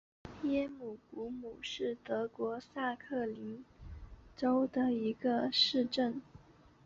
耶姆古姆是德国下萨克森州的一个市镇。